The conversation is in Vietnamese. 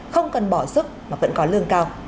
không cần bỏ sức mà vẫn có lương cao